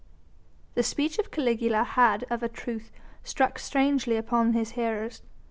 The speech of Caligula had of a truth struck strangely upon his hearers.